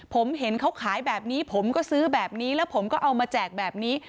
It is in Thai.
ผมเห็นเขาขายแบบนี้ผมก็ซื้อแบบนี้แล้วผมก็เอามาแจกแบบนี้